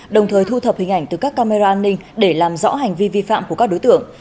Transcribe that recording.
đồng thời thu thập hình ảnh từ các camera an ninh để làm rõ hành vi vi phạm của các đối tượng